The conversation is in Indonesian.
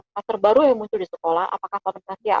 plaster baru yang muncul di sekolah apakah pemerintah siap